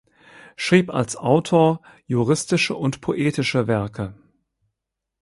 Schrieb als Autor juristische und poetische Werke.